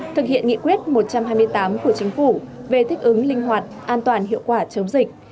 thực hiện nghị quyết một trăm hai mươi tám của chính phủ về thích ứng linh hoạt an toàn hiệu quả chống dịch